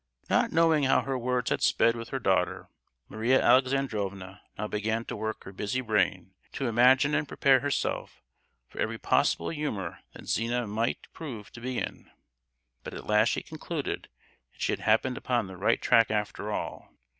Not knowing how her words had sped with her daughter, Maria Alexandrovna now began to work her busy brain to imagine and prepare herself for every possible humour that Zina might prove to be in; but at last she concluded that she had happened upon the right track after all.